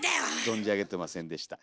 存じ上げてませんでした。